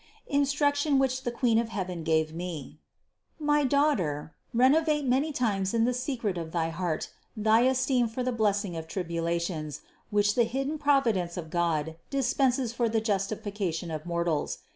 INSTRUCTION WHICH THE QUEEN OF HEAVEN GAVE ME. 673. My daughter, renovate many times in the secret of thy heart thy esteem for the blessing of tribulations, which the hidden providence of God dispenses for the justification of mortals.